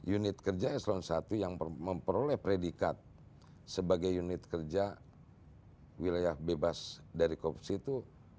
unit kerja eselon i yang memperoleh predikat sebagai unit kerja wilayah bebas dari korupsi itu